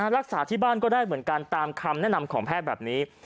รักษาที่บ้านก็ได้เหมือนกันตามคำแนะนำของแพทย์แบบนี้